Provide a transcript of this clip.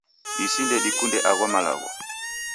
isi ndedikunde agho malagho